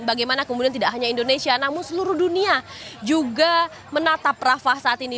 bagaimana kemudian tidak hanya indonesia namun seluruh dunia juga menatap rafah saat ini